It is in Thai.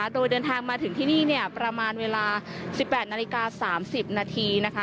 โดยเดินทางมาถึงที่นี่ประมาณเวลา๑๘นาฬิกา๓๐นาทีนะคะ